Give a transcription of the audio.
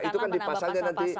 nah itu kan dipasangnya nanti